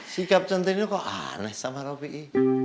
sikap centini kok aneh sama ropi i